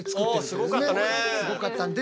すごかったね。